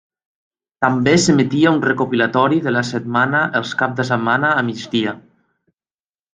També s'emetia un recopilatori de la setmana els caps de setmana a migdia.